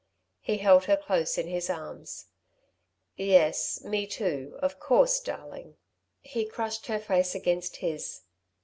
He held her close in his arms. "Yes, me too, of course, darling." He crushed her face against his.